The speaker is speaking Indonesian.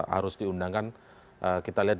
harus diundangkan kita lihat